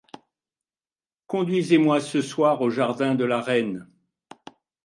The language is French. Conduisez-moi ce soir au jardin de la reine !